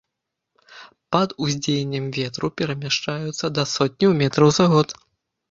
Пад уздзеяннем ветру перамяшчаюцца да сотняў метраў за год.